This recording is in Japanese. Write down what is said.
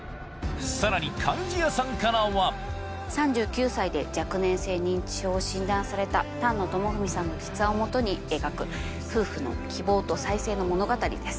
さらに貫地谷さんからは３９歳で若年性認知症を診断された丹野智文さんの実話を基に描く夫婦の希望と再生の物語です。